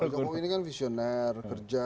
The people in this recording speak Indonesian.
pak jokowi ini kan visioner kerja